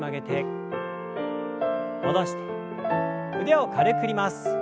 腕を軽く振ります。